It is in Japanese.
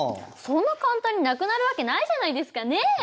そんな簡単になくなるわけないじゃないですかね！